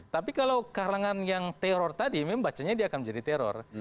tapi kalau kalangan yang teror tadi membacanya dia akan menjadi teror